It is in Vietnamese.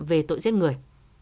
về tội giết người